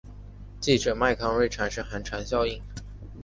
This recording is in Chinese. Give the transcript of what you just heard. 记者麦康瑞产生寒蝉效应。